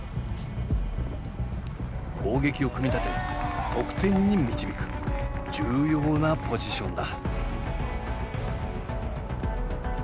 攻撃を組み立て得点に導く重要なポジションだ。